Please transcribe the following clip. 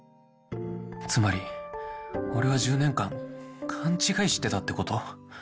つまり俺は１０年間勘違いしてたってこと？